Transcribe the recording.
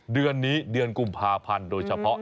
เดือนนี้เดือนกุมภาพันธ์โดยเฉพาะ